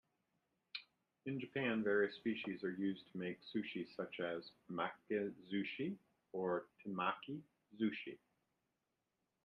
In Japan, various species are used to make sushi such as "maki-zushi" or "temaki-zushi".